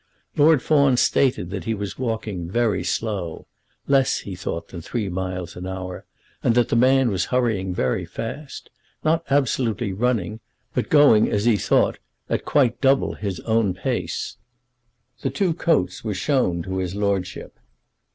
Lord Fawn stated that he was walking very slow, less he thought than three miles an hour, and that the man was hurrying very fast, not absolutely running, but going as he thought at quite double his own pace. The two coats were shown to his lordship.